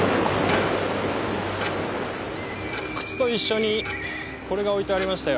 靴と一緒にこれが置いてありましたよ。